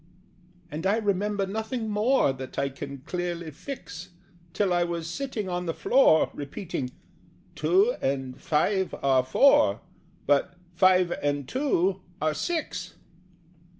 And I remember nothing more That I can clearly fix, Till I was sitting on the floor, Repeating "Two and five are four, But five and two are six."